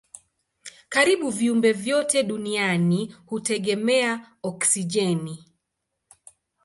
Karibu viumbe vyote duniani hutegemea oksijeni.